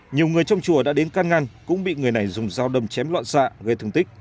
nhiều người trong chùa đã đến can ngăn cũng bị người này dùng dao đâm chém loạn xạ gây thương tích